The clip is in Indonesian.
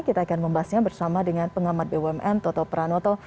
kita akan membahasnya bersama dengan pengamat bumn toto pranoto